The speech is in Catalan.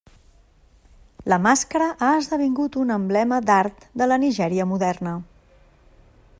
La màscara ha esdevingut un emblema d'art de la Nigèria moderna.